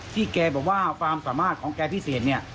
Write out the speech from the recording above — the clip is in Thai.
แกบอกว่าความสามารถของแกพิเศษเนี่ย